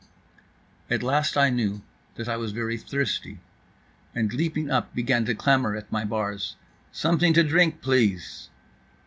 At last I knew that I was very thirsty; and leaping up began to clamor at my bars. "Something to drink, please."